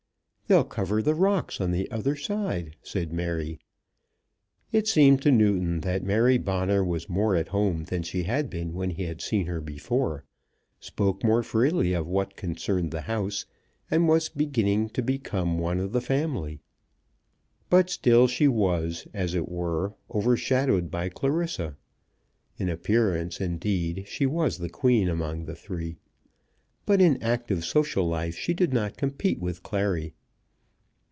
"They'll cover the rocks on the other side," said Mary. It seemed to Newton that Mary Bonner was more at home than she had been when he had seen her before, spoke more freely of what concerned the house, and was beginning to become one of the family. But still she was, as it were, overshadowed by Clarissa. In appearance, indeed, she was the queen among the three, but in active social life she did not compete with Clary.